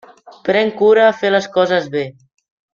Pren cura a fer les coses bé.